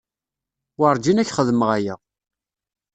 Werǧin ad k-xedmeɣ aya.